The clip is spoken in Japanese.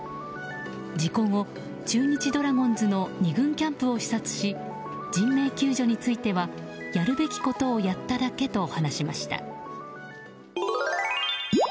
事故後、中日ドラゴンズの２軍キャンプを視察し人命救助についてはやるべきことをやっただけと話しました。